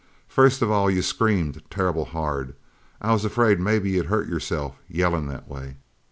First of all you screamed terrible hard. I was afraid maybe you'd hurt yourself yellin' that way.